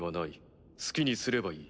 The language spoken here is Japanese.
好きにすればいい。